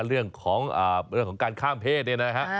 เรื่องของการข้ามเพศเนี่ยนะฮะ